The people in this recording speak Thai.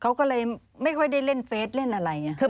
เขาก็เลยไม่ค่อยได้เล่นเฟสเล่นอะไรอย่างนี้